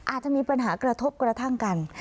อาจจะมีปัญหากระทบกระทั่งกัน